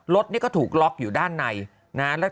รถก็ถูกล็อกอยู่ด้านนาย